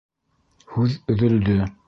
Һүҙ өҙөлдө.